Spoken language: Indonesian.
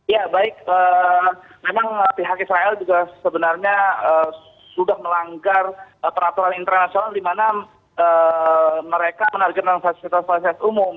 ya baik memang pihak israel juga sebenarnya sudah melanggar peraturan internasional di mana mereka menargetkan fasilitas fasilitas umum